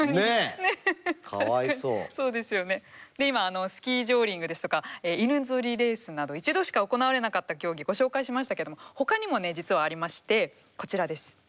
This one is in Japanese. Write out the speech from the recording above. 今スキージョーリングですとか犬ぞりレースなど一度しか行われなかった競技ご紹介しましたけどもほかにもね実はありましてこちらです。